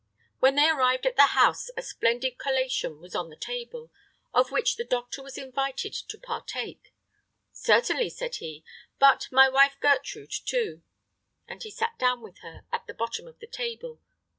When they arrived at the house a splendid collation was on the table, of which the doctor was invited to partake. "Certainly," said he, "but my wife Gertrude, too"; and he sat down with her at the bottom of the table.